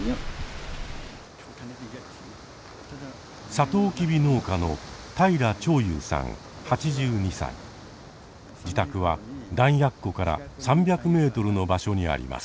サトウキビ農家の自宅は弾薬庫から３００メートルの場所にあります。